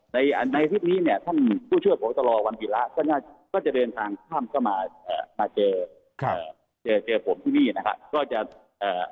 ในฮีสนี้นี่ถ้างผู้เชื้อผมตลอดวันผีแล้วก็จะเดินทางข้ามมาเจอผมที่นี่นะคะ